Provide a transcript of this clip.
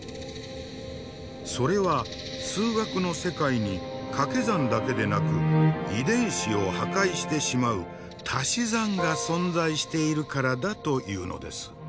それは数学の世界にかけ算だけでなく遺伝子を破壊してしまうたし算が存在しているからだというのです。